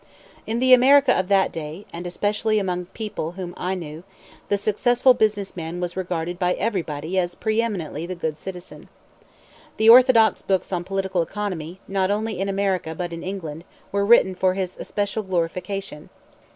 In the America of that day, and especially among the people whom I knew, the successful business man was regarded by everybody as preeminently the good citizen. The orthodox books on political economy, not only in America but in England, were written for his especial glorification.